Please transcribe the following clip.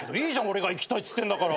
俺が行きたいっつってんだから。